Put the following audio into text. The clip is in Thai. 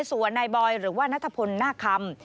ส่วนทนายบอยหรือว่านัตภพนในหน้าคำ